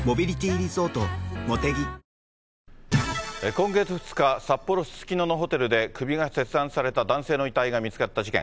今月２日、札幌市すすきののホテルで、首が切断された男性の遺体が見つかった事件。